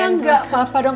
ya enggak apa apa dong